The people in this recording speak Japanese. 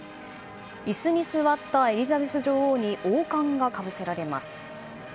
椅子に座ったエリザベス女王に王冠がかぶせられます。